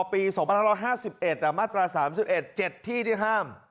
ปี๒๕๕๑มาตรา๓๑๗ที่ที่ห้าม